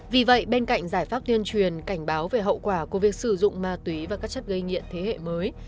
vì vậy bên cạnh giải pháp tuyên truyền cảnh báo về hậu quả của việc sử dụng ma túy và các chất gây nghiện thế hệ mới